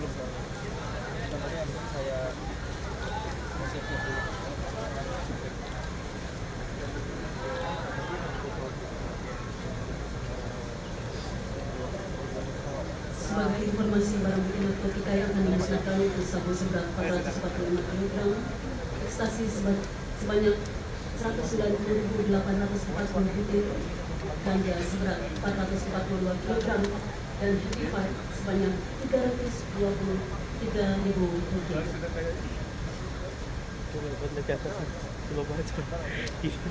untuk jenderal ini